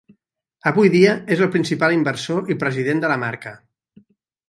Avui dia és el principal inversor i president de la marca.